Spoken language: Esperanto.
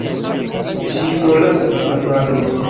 Ŝi forlasis la balon!